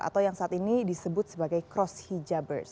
atau yang saat ini disebut sebagai cross hijabers